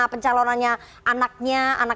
pencalonannya anaknya anak